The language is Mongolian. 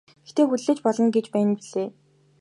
Гэхдээ хүлээж болно гэж байна билээ.